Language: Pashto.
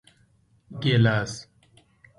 🍒 ګېلاس